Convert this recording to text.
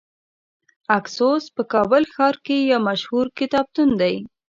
اکسوس په کابل ښار کې یو مشهور کتابتون دی .